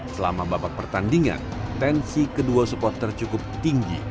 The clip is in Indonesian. selama babak pertandingan tensi kedua supporter cukup tinggi